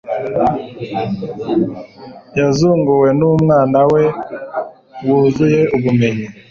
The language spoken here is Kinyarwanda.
yazunguwe n'umwana we wuzuye ubumenyi